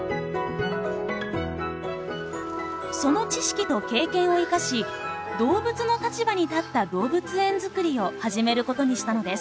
その知識と経験を生かし動物の立場に立った動物園作りを始めることにしたのです。